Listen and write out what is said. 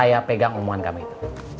jangan protes kalo gaji kamu telat juga